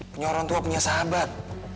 punya orang tua punya sahabat